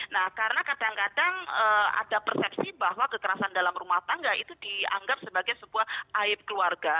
nah karena kadang kadang ada persepsi bahwa kekerasan dalam rumah tangga itu dianggap sebagai sebuah aib keluarga